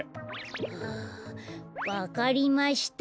はあ「わかりました」